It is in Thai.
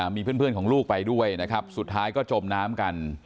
มีเพื่อนของลูกไปด้วยนะครับสุดท้ายก็จมน้ำกัน